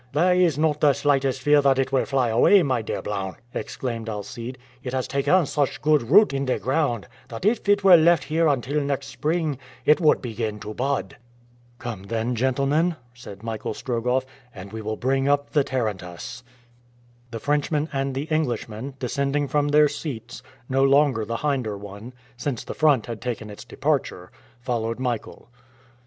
"There is not the slightest fear that it will fly away, my dear Blount!" exclaimed Alcide; "it has taken such good root in the ground, that if it were left here until next spring it would begin to bud." "Come then, gentlemen," said Michael Strogoff, "and we will bring up the tarantass." The Frenchman and the Englishman, descending from their seats, no longer the hinder one, since the front had taken its departure, followed Michael.